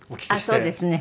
あっそうですね。